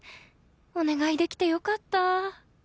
お願いできてよかった